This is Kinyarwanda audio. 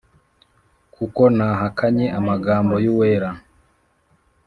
kuko ntahakanye amagambo y’uwera